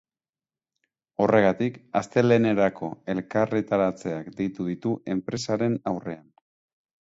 Horregatik, astelehenerako elkarretaratzeak deitu ditu enpresaren aurrean.